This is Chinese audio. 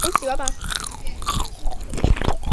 相传这棵树是菩提伽耶摩诃菩提树南枝衍生出来的。